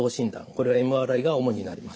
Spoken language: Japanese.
これはＭＲＩが主になります。